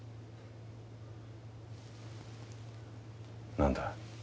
何だ。